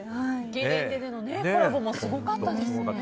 ゲレンデでのコラボもすごかったですね。